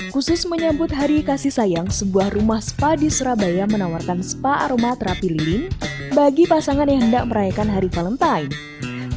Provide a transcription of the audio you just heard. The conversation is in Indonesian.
khusus menyambut hari kasih sayang sebuah rumah spa di surabaya menawarkan spa aroma terapi lilin bagi pasangan yang hendak merayakan hari valentine